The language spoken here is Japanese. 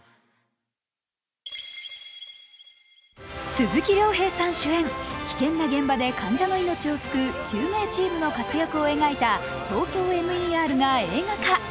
鈴木亮平さん主演、危険な現場で患者の命を救う救命チームの活躍を描いた「ＴＯＫＹＯＭＥＲ」が映画化。